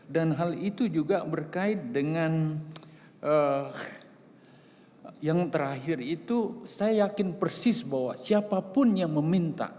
dan hal itu juga berkait dengan yang terakhir itu saya yakin persis bahwa siapapun yang meminta